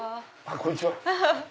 こんにちは。